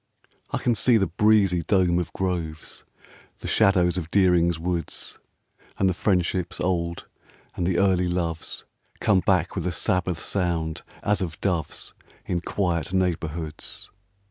I can see the breezy dome of groves, The shadows of Deering's Woods; And the friendships old and the early loves RAINBOW GOLD Come back with a Sabbath sound, as of doves In quiet neighborhoods.